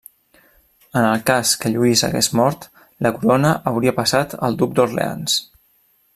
En el cas que Lluís hagués mort, la corona hauria passat al duc d'Orleans.